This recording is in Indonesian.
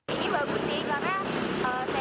ini bagus sih karena saya sendiri pun sebagai pengguna jalan